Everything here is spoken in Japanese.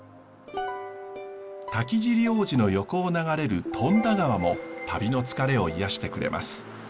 滝尻王子の横を流れる富田川も旅の疲れを癒やしてくれます。